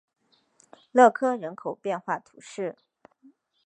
勒科人口变化图示